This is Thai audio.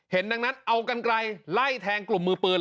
ดังนั้นเอากันไกลไล่แทงกลุ่มมือปืน